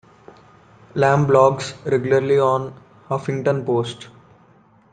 Lam blogs regularly on Huffington Post.